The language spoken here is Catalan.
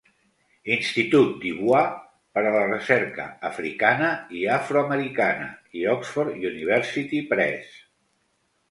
Institut Du Bois per a la Recerca Africana i Afroamericana i Oxford University Press.